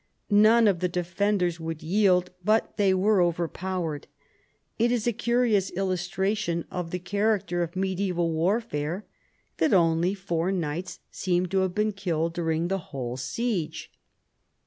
None of the defenders would yield, but they were overpowered. It is a curious illustration of the char acter of medieval warfare that only four knights seem to have been killed during the whole siege.